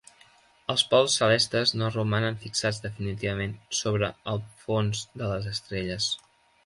Els pols celestes no romanen fixats definitivament sobre el fons de les estrelles.